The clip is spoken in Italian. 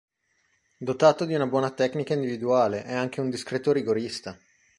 Dotato di una buona tecnica individuale, è anche un discreto rigorista.